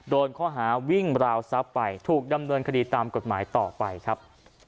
โดนข้อหาวิ่งราวทรัพย์ไปถูกดำเนินคดีตามกฎหมายต่อไปครับ